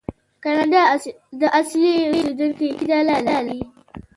کاناډا د اصلي اوسیدونکو اداره لري.